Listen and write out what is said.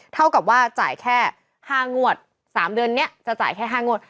เท่ากับว่าจ่ายแค่๕งวด๓เดือนนี้จะจ่ายแค่๕งวด